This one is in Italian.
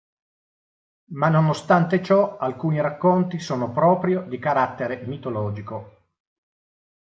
Ma nonostante ciò alcuni racconti sono proprio di carattere mitologico.